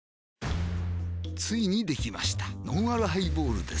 ついにできましたのんあるハイボールです